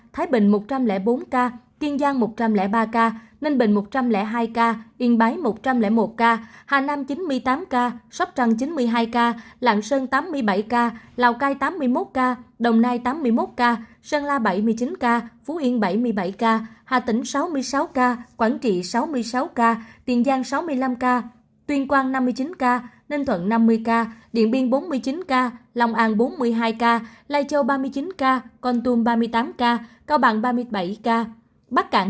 thái bình một trăm linh bốn ca kiên giang một trăm linh ba ca ninh bình một trăm linh hai ca yên bái một trăm linh một ca hà nam chín mươi tám ca sóc trần chín mươi hai ca lạng sơn tám mươi bảy ca lào cai tám mươi một ca đồng nai tám mươi một ca sơn la bảy mươi chín ca phú yên bảy mươi bảy ca hà tĩnh sáu mươi sáu ca quảng trị sáu mươi sáu ca tiền giang sáu mươi năm ca tuyên quang năm mươi chín ca ninh thuận năm mươi ca điện biên bốn mươi chín ca lòng an bốn mươi hai ca lai châu ba mươi chín ca con tum ba mươi tám ca ninh thuận năm mươi ca lào cai bốn mươi một ca đồng nai tám mươi một ca sơn la bảy mươi chín ca phú yên bảy mươi bảy ca hà tĩnh sáu mươi sáu ca quảng trị sáu mươi sáu ca tiền giang sáu mươi năm ca tuyên quang năm mươi chín ca ninh thuận năm mươi ca điện biên bốn mươi chín ca lòng an